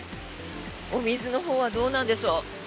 お水のほうはどうなんでしょう。